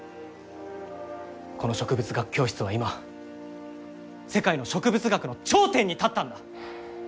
この植物学教室は今世界の植物学の頂点に立ったんだ！